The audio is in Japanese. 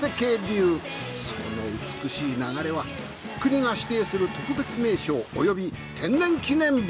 その美しい流れは国が指定する特別名勝および天然記念物。